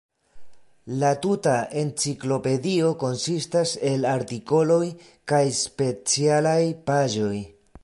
La tuta enciklopedio konsistas el artikoloj kaj specialaj paĝoj.